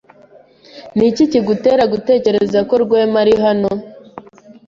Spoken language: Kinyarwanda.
Niki kigutera gutekereza ko Rwema ari hano?